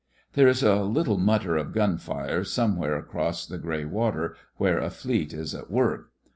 There is a little mutter of gun fire somewhere across the grey water where a fleet is at work.